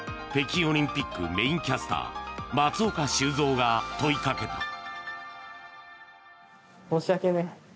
北京オリンピックメインキャスター松岡修造が問いかけた。